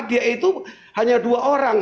dia itu hanya dua orang